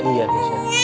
iya kes ya